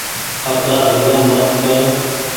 اترآ زولم مت ڪر